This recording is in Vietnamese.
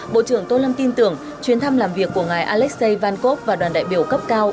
bộ trưởng tô lâm tin tưởng chuyến thăm làm việc của ngài alexei vankov và đoàn đại biểu cấp cao